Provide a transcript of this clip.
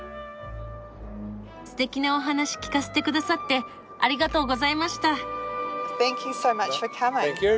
すてきなお話聞かせてくださってありがとうございました。